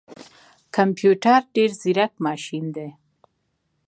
کمپيوټر ډیر ځیرک ماشین دی